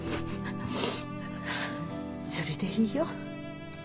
それでいいよ。